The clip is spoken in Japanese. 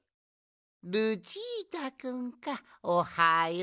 ルチータくんかおはよう。